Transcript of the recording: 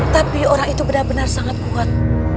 tapi orang itu benar benar sangat kuat